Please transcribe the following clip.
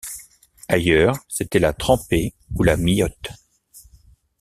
Ailleurs, c'était la trempée ou la miotte.